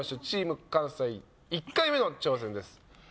チーム関西１回目の挑戦です。